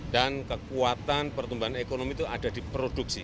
dan kekuatan pertumbuhan ekonomi itu ada di produksi